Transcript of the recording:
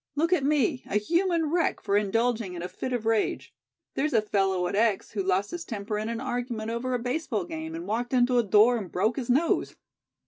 Look at me: a human wreck for indulging in a fit of rage. There's a fellow at Ex. who lost his temper in an argument over a baseball game and walked into a door and broke his nose."